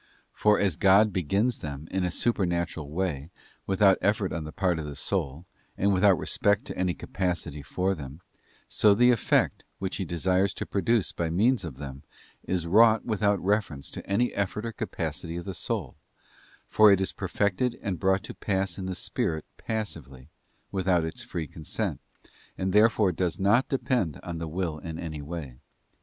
For as God begins them in a supernatural way without effort on the part of the soul, and without respect to any capacity for them; so the effect, which He desires to produce by means of them, is wrought without reference to any effort or capacity of the soul; for it is perfected and brought to pass in the spirit passively without its free consent, and therefore does not depend on the will in any way.